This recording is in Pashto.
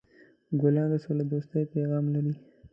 ګلان د سولهدوستۍ پیغام لري.